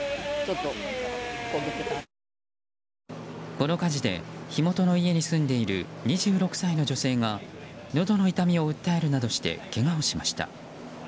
この火事で、火元の家に住んでいる２６歳の女性がのどの痛みを訴えるなどしてけがをしました。